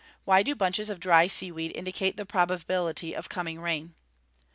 _Why do bunches of dried sea weed indicate the probability of coming rain?